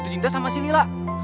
cinta sama si lila